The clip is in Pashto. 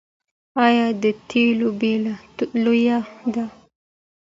آیا د تیلو بیه لوړه ده؟